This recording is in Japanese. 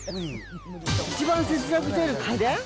一番節約してる家電？